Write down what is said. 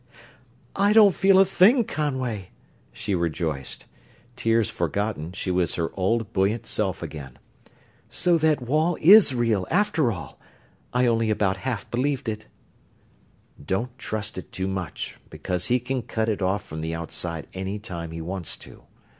"I don't feel a thing, Conway!" she rejoiced. Tears forgotten, she was her old, buoyant self again. "So that wall is real, after all? I only about half believed it." "Don't trust it too much, because he can cut it off from the outside any time he wants to.